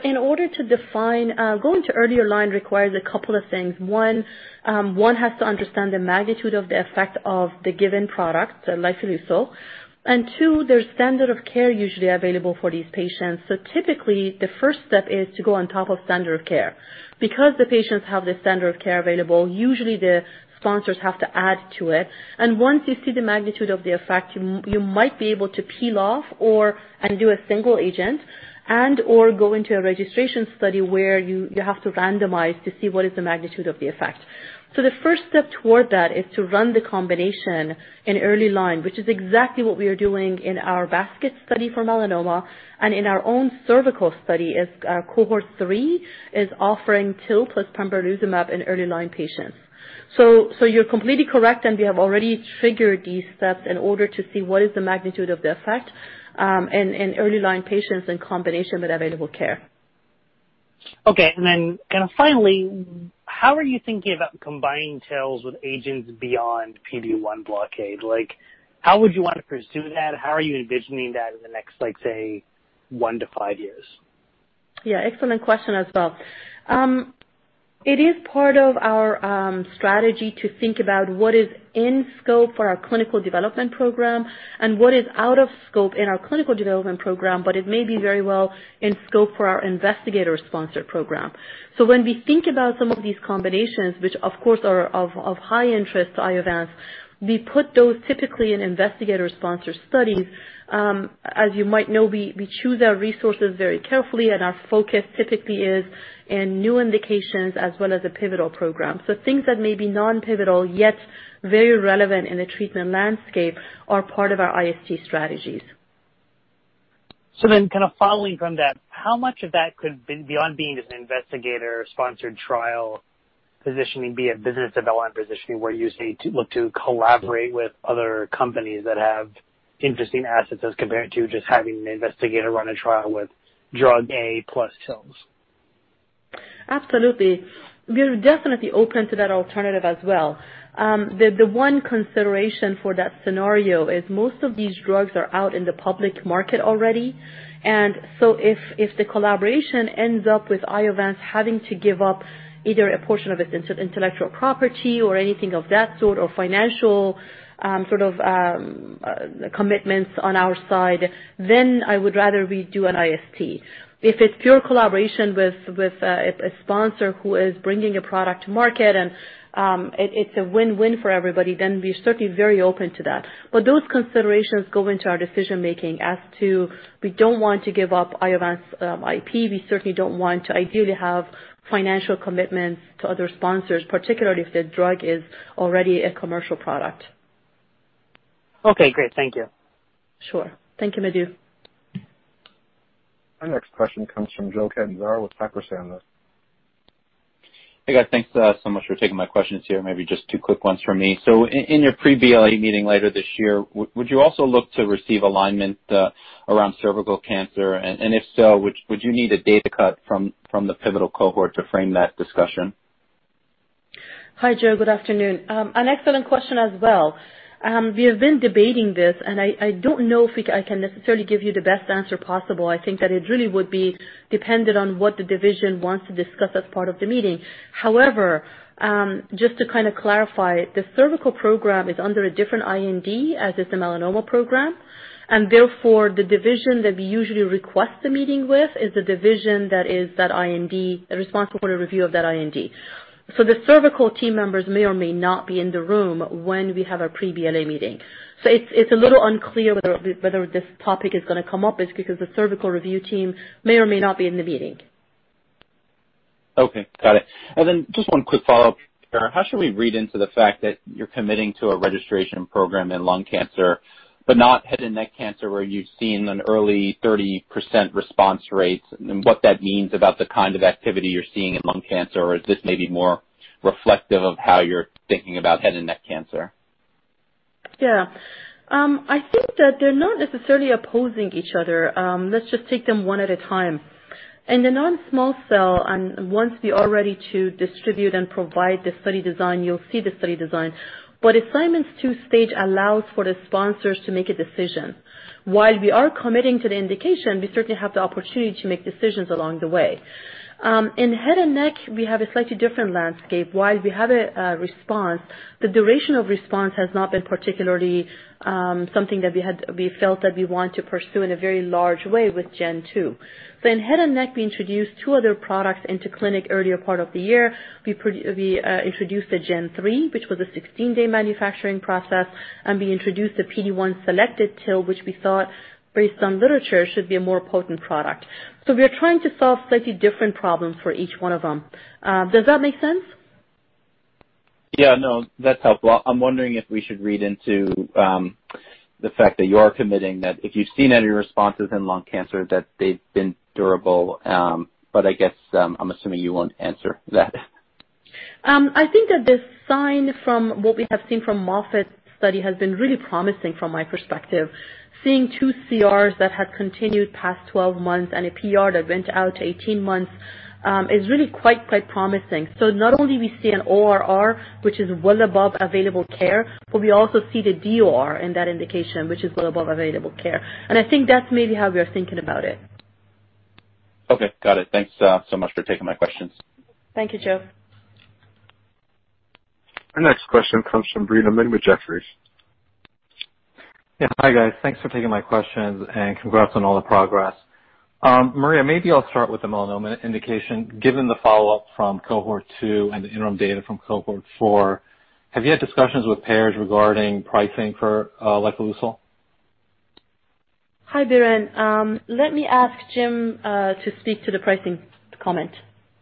[SPEAKER 3] In order to define, going to earlier line requires a couple of things. One has to understand the magnitude of the effect of the given product, so lifileucel. Two, there's standard of care usually available for these patients. Typically, the first step is to go on top of standard of care. The patients have the standard of care available, usually the sponsors have to add to it. Once you see the magnitude of the effect, you might be able to peel off and do a single agent and/or go into a registration study where you have to randomize to see what is the magnitude of the effect. The first step toward that is to run the combination in early line, which is exactly what we are doing in our basket study for melanoma and in our own cervical study as cohort 3 is offering TIL plus pembrolizumab in early line patients. You're completely correct, and we have already triggered these steps in order to see what is the magnitude of the effect, in early line patients in combination with available care.
[SPEAKER 13] Okay. Finally, how are you thinking about combining TILs with agents beyond PD-1 blockade? How would you want to pursue that? How are you envisioning that in the next, let's say, one to five years?
[SPEAKER 3] Yeah, excellent question as well. It is part of our strategy to think about what is in scope for our clinical development program and what is out of scope in our clinical development program, but it may be very well in scope for our investigator sponsor program. When we think about some of these combinations, which of course are of high interest to Iovance, we put those typically in investigator sponsor studies. As you might know, we choose our resources very carefully and our focus typically is in new indications as well as the pivotal program. Things that may be non-pivotal yet very relevant in the treatment landscape are part of our IST strategies.
[SPEAKER 13] Kind of following from that, how much of that could, beyond being just an investigator-sponsored trial positioning, be a business development positioning where you seek to look to collaborate with other companies that have interesting assets as compared to just having an investigator run a trial with drug A plus TILs?
[SPEAKER 3] Absolutely. We are definitely open to that alternative as well. The one consideration for that scenario is most of these drugs are out in the public market already. If the collaboration ends up with Iovance having to give up either a portion of its intellectual property or anything of that sort, or financial sort of commitments on our side, then I would rather we do an IST. If it's pure collaboration with a sponsor who is bringing a product to market and it's a win-win for everybody, then we're certainly very open to that. Those considerations go into our decision-making as to we don't want to give up Iovance IP. We certainly don't want to ideally have financial commitments to other sponsors, particularly if the drug is already a commercial product.
[SPEAKER 13] Okay, great. Thank you.
[SPEAKER 3] Sure. Thank you, Madhu.
[SPEAKER 1] Our next question comes from Joe Kedziara with Piper Sandler.
[SPEAKER 14] Hey, guys. Thanks so much for taking my questions here. Maybe just two quick ones from me. In your pre-BLA meeting later this year, would you also look to receive alignment around cervical cancer? And if so, would you need a data cut from the pivotal cohort to frame that discussion?
[SPEAKER 3] Hi, Joe. Good afternoon. An excellent question as well. We have been debating this. I don't know if I can necessarily give you the best answer possible. I think that it really would be dependent on what the division wants to discuss as part of the meeting. However, just to kind of clarify, the cervical program is under a different IND, as is the melanoma program. Therefore, the division that we usually request the meeting with is the division that is responsible for the review of that IND. The cervical team members may or may not be in the room when we have our pre-BLA meeting. It's a little unclear whether this topic is going to come up is because the cervical review team may or may not be in the meeting.
[SPEAKER 14] Okay. Got it. Just one quick follow-up. How should we read into the fact that you're committing to a registration program in lung cancer, but not head and neck cancer, where you've seen an early 30% response rates, and what that means about the kind of activity you're seeing in lung cancer? Is this maybe more reflective of how you're thinking about head and neck cancer?
[SPEAKER 3] Yeah. I think that they're not necessarily opposing each other. Let's just take them one at a time. In the non-small cell, once we are ready to distribute and provide the study design, you'll see the study design, assignments to stage allows for the sponsors to make a decision. While we are committing to the indication, we certainly have the opportunity to make decisions along the way. In head and neck, we have a slightly different landscape. While we have a response, the duration of response has not been particularly something that we felt that we want to pursue in a very large way with Gen 2. In head and neck, we introduced two other products into clinic earlier part of the year. We introduced a Gen 3, which was a 16-day manufacturing process, and we introduced a PD-1-selected TIL, which we thought, based on literature, should be a more potent product. We are trying to solve slightly different problems for each one of them. Does that make sense?
[SPEAKER 14] Yeah. No, that's helpful. I'm wondering if we should read into the fact that you are committing that if you've seen any responses in lung cancer, that they've been durable. I guess, I'm assuming you won't answer that.
[SPEAKER 3] I think that the sign from what we have seen from Moffitt's study has been really promising from my perspective. Seeing two CRs that have continued past 12 months and a PR that went out to 18 months, is really quite promising. Not only we see an ORR, which is well above available care, but we also see the DOR in that indication, which is well above available care. I think that's maybe how we are thinking about it.
[SPEAKER 14] Okay. Got it. Thanks so much for taking my questions.
[SPEAKER 3] Thank you, Joe.
[SPEAKER 1] Our next question comes from Biren Amin with Jefferies.
[SPEAKER 15] Yeah. Hi, guys. Thanks for taking my questions and congrats on all the progress. Maria, maybe I'll start with the melanoma indication, given the follow-up from cohort 2 and the interim data from cohort 4. Have you had discussions with payers regarding pricing for lifileucel?
[SPEAKER 3] Hi, Biren. Let me ask Jim to speak to the pricing comment.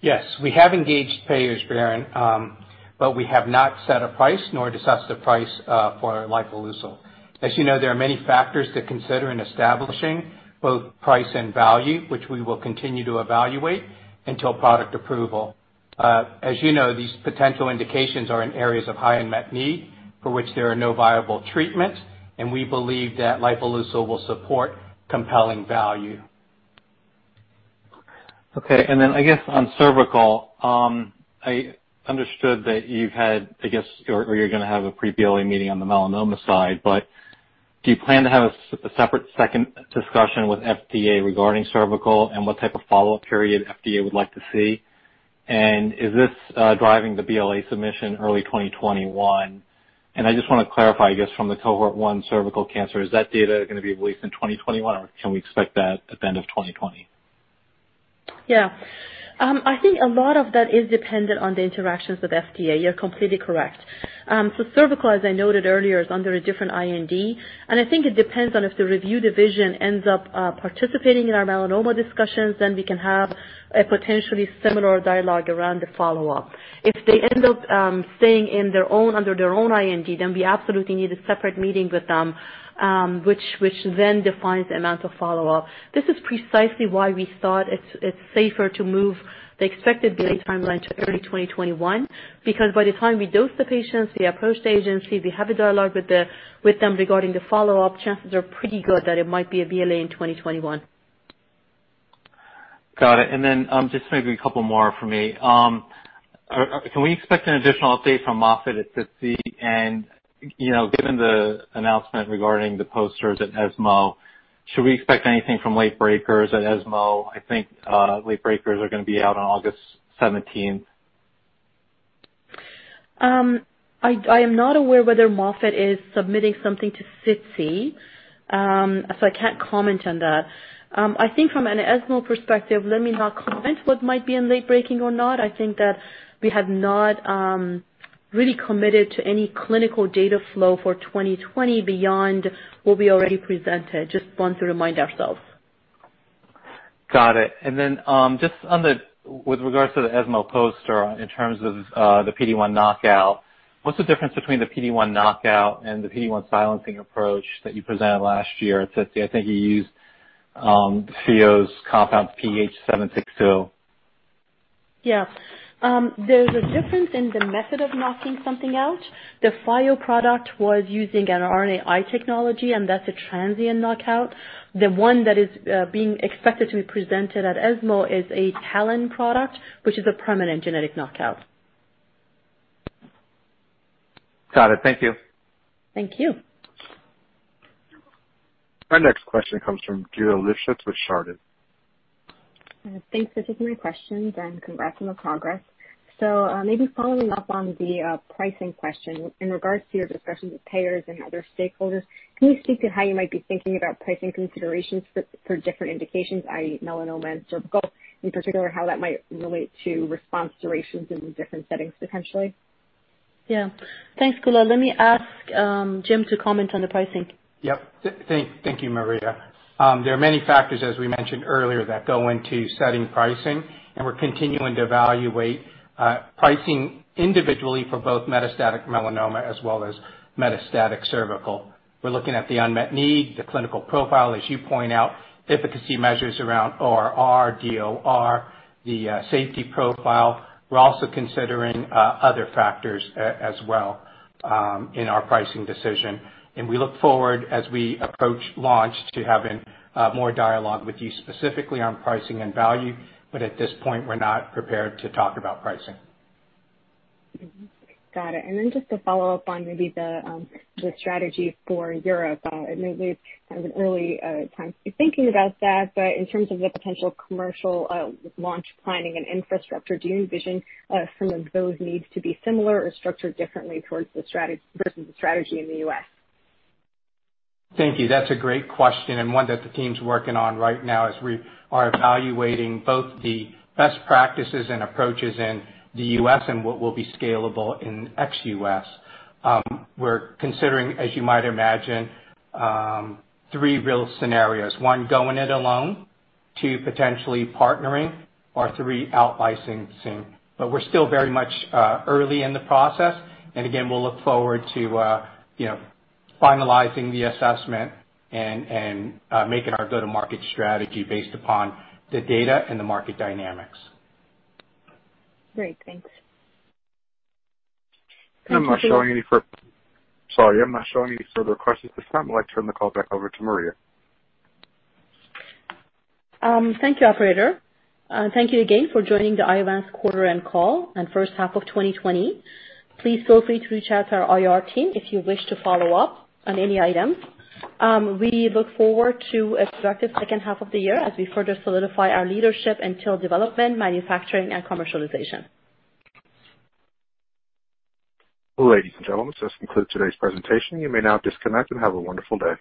[SPEAKER 8] Yes. We have engaged payers, Biren, but we have not set a price nor discussed a price for lifileucel. As you know, there are many factors to consider in establishing both price and value, which we will continue to evaluate until product approval. As you know, these potential indications are in areas of high unmet need, for which there are no viable treatments, and we believe that lifileucel will support compelling value.
[SPEAKER 15] I guess on cervical, I understood that you've had, I guess, or you're going to have a pre-BLA meeting on the melanoma side. Do you plan to have a separate second discussion with FDA regarding cervical and what type of follow-up period FDA would like to see? Is this driving the BLA submission early 2021? I just want to clarify, I guess, from the cohort 1 cervical cancer, is that data going to be released in 2021, or can we expect that at the end of 2020?
[SPEAKER 3] I think a lot of that is dependent on the interactions with FDA. You're completely correct. Cervical, as I noted earlier, is under a different IND, and I think it depends on if the review division ends up participating in our melanoma discussions, we can have a potentially similar dialogue around the follow-up. If they end up staying under their own IND, we absolutely need a separate meeting with them, which then defines the amount of follow-up. This is precisely why we thought it's safer to move the expected BLA timeline to early 2021, by the time we dose the patients, we approach the agency, we have a dialogue with them regarding the follow-up, chances are pretty good that it might be a BLA in 2021.
[SPEAKER 15] Got it. Just maybe a couple more from me. Can we expect an additional update from Moffitt at SITC? Given the announcement regarding the posters at ESMO, should we expect anything from late breakers at ESMO? I think late breakers are going to be out on August 17th.
[SPEAKER 3] I am not aware whether Moffitt is submitting something to SITC. I can't comment on that. I think from an ESMO perspective, let me not comment what might be in late breaking or not. I think that we have not really committed to any clinical data flow for 2020 beyond what we already presented. Just want to remind ourselves.
[SPEAKER 15] Got it. Just with regards to the ESMO poster in terms of the PD-1 knockout, what's the difference between the PD-1 knockout and the PD-1 silencing approach that you presented last year at SITC? I think you used Phio's compound PH-762.
[SPEAKER 3] Yeah. There's a difference in the method of knocking something out. The Phio product was using an RNAi technology. That's a transient knockout. The one that is being expected to be presented at ESMO is a TALEN product, which is a permanent genetic knockout.
[SPEAKER 15] Got it. Thank you.
[SPEAKER 3] Thank you.
[SPEAKER 1] Our next question comes from Geulah Livshits with Chardan.
[SPEAKER 16] Thanks for taking my questions and congrats on the progress. Maybe following up on the pricing question, in regards to your discussions with payers and other stakeholders, can you speak to how you might be thinking about pricing considerations for different indications, i.e. melanoma and cervical in particular, how that might relate to response durations in different settings potentially?
[SPEAKER 3] Yeah. Thanks, Geulah. Let me ask Jim to comment on the pricing.
[SPEAKER 8] Thank you, Maria. There are many factors, as we mentioned earlier, that go into setting pricing, and we're continuing to evaluate pricing individually for both metastatic melanoma as well as metastatic cervical. We're looking at the unmet need, the clinical profile, as you point out, efficacy measures around ORR, DOR, the safety profile. We're also considering other factors as well in our pricing decision, and we look forward as we approach launch to having more dialogue with you specifically on pricing and value. At this point, we're not prepared to talk about pricing.
[SPEAKER 16] Got it. Just to follow up on maybe the strategy for Europe, maybe it's an early time to be thinking about that, but in terms of the potential commercial launch planning and infrastructure, do you envision some of those needs to be similar or structured differently versus the strategy in the U.S.?
[SPEAKER 8] Thank you. That's a great question and one that the team's working on right now as we are evaluating both the best practices and approaches in the U.S. and what will be scalable in ex-U.S. We're considering, as you might imagine, three real scenarios. One, going it alone, two, potentially partnering, or three, out licensing. We're still very much early in the process. Again, we'll look forward to finalizing the assessment and making our go-to-market strategy based upon the data and the market dynamics.
[SPEAKER 16] Great. Thanks.
[SPEAKER 3] Thank you, Geulah.
[SPEAKER 1] I'm not showing any further questions at this time. I'd like to turn the call back over to Maria.
[SPEAKER 3] Thank you, operator. Thank you again for joining the Iovance quarter end call and first half of 2020. Please feel free to reach out to our IR team if you wish to follow up on any items. We look forward to a productive second half of the year as we further solidify our leadership in TIL development, manufacturing and commercialization.
[SPEAKER 1] Ladies and gentlemen, this concludes today's presentation. You may now disconnect and have a wonderful day.